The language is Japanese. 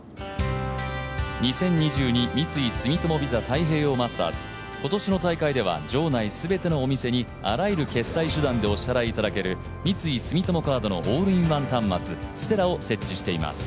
太平洋マスターズ今年の大会では場内全てのお店にあらゆる決済手段でお支払いいただける三井住友カードのオールインワン端末ｓｔｅｒａを設置しております。